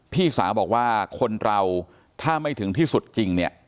พี่สาวบอกว่าคนเราถ้าไม่ถึงที่สุดจริงเนี่ย